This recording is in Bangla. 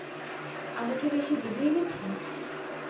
আমি কি বেশি বুড়িয়ে গেছি?